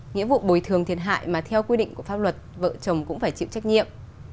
nghĩa vụ bồi thường thiệt hại mà theo quy định của pháp luật vợ chồng cũng phải chịu trách nhiệm